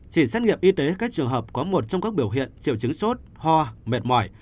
chỉ xét nghiệm y tế các trường hợp có một trong các biểu hiện triệu chứng sốt ho mệt mỏi